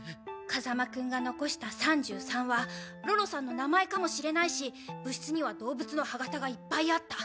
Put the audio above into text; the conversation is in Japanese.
風間くんが残した３３はろろさんの名前かもしれないし部室には動物の歯型がいっぱいあった。